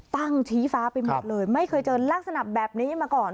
ตั้งชี้ฟ้าเป็นแบบเลยไม่เคยเจอลักษณะแบบนี้มาก่อน